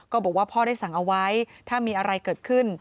บอกว่าพ่อได้สั่งเอาไว้ถ้ามีอะไรเกิดขึ้น